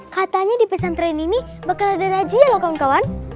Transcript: katanya di pesantren ini bakal ada rajia loh kawan kawan